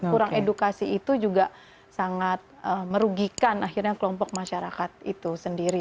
kurang edukasi itu juga sangat merugikan akhirnya kelompok masyarakat itu sendiri